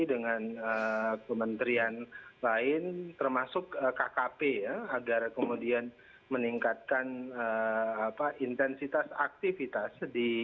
dengan kementerian lain termasuk kkp ya agar kemudian meningkatkan intensitas aktivitas